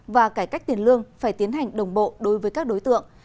và cải cách tiền lương phải tiến hành đồng bộ đối với các đối tượng